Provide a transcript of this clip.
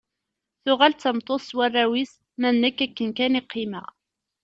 Tuɣal d tameṭṭut s warraw-is, ma d nekk akken kan i qqimeɣ.